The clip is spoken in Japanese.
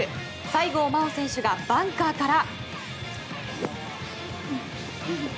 西郷真央選手がバンカーから。